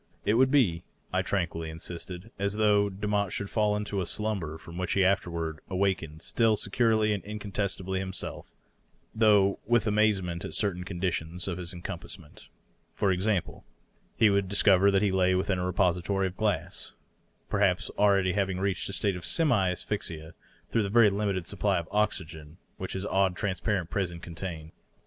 It would be, I tranquilly insisted, as though Demotte should fall into a slumber from which he afterward awaked still securely and incontestably him self, though with amazement at certain conditions of encompassment. For example, he would discover that he lay within a repository of glass, perhaps having already reached a state of semi asphyxia through the very limited supply of oxygen which his odd, transparent prison con tained.